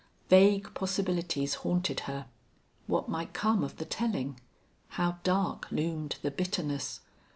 Vague possibilities haunted her. What might come of the telling? How dark loomed the bitterness!